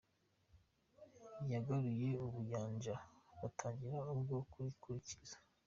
yagaruye ubuyanja” batangira ubwo kurikuririza